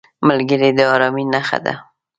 ملګری د ارامۍ نښه ده